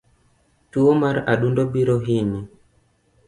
Tuo mar adundo biro hinyi